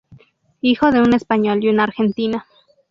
Hijo de un español y una argentina.